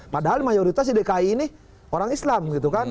padahal mayoritas idki ini orang islam gitu kan